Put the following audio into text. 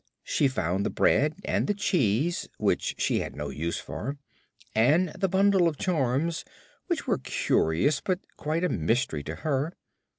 She found the bread and cheese, which she had no use for, and the bundle of charms, which were curious but quite a mystery to her.